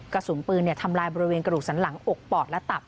กระสุนปืนทำลายบริเวณกระดูกสันหลังอกปอดและตับ